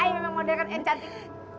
ayah memang modern eh cantik